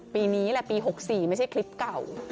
ปีนี้แหละปี๖๔ไม่ใช่คลิปเก่า